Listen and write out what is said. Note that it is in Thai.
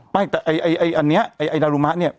ไม่แต่ไอไอไออันนี้ไอไอนารุมะเนี้ย